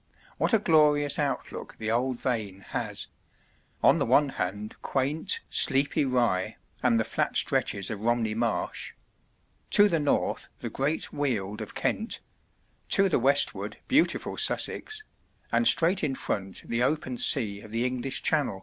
What a glorious outlook the old vane has on the one hand quaint, sleepy Rye and the flat stretches of Romney Marsh; to the north the great Weald of Kent; to the westward beautiful Sussex, and straight in front the open sea of the English Channel.